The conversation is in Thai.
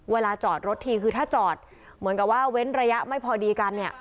เวลาจอดรถทีคือถ้าจอดเหมือนกับว่าเว้นระยะไม่พอดีกันเนี่ย